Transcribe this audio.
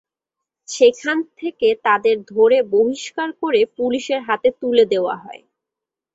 সেখান থেকে তাঁদের ধরে বহিষ্কার করে পুলিশের হাতে তুলে দেওয়া হয়।